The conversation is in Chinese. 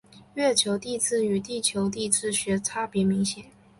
月球地质与地球地质学差别明显。